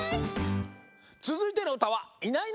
つづいてのうたは「いないいないばあっ！」